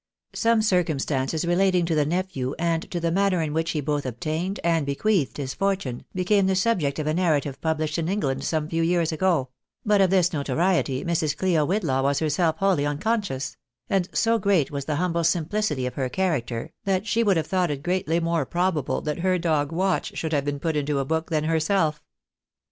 Some circumstances relating to this nephew, and to the manner in which he both ob tained and bequeathed his fortune, became the subject of a narra tive pubUshed in England some few years ago ; but of this notoriety Mrs. CUo Whitlaw was herself wholly unconscious ; and so great was the humble simplicity of her character, that she would have thought it greatly more probable that her dog Watch should have been put into a book than Iierself.